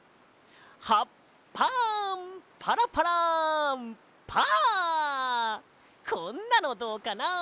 「葉っぱパラパラパー」こんなのどうかな？